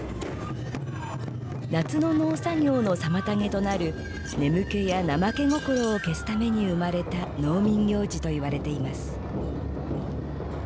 夏の農作業の妨げとなる眠気や怠け心を消すために生まれた農民行事といわれています。